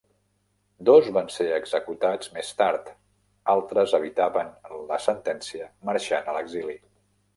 Dos van ser executats més tard, altres evitaven la sentència marxant a l'exili.